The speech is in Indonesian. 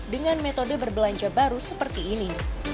dengan metode berbelanja baru seperti ini